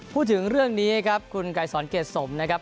พูดถึงเรื่องนี้ครับคุณไกรสอนเกรดสมนะครับ